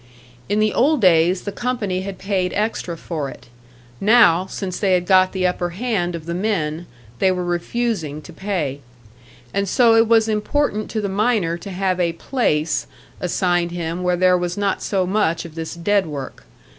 In the old days the company had paid extra for it; now, since they had got the upper hand of the men, they were refusing to pay. And so it was important to the miner to have a "place" assigned him where there was not so much of this dead work.